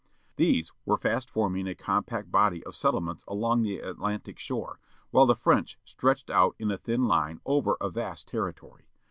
These were fast forming a compact body of settlements along the Atlantic shore, while the French stretched out in a thin line over a vast territory.